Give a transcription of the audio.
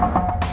aku kasih tau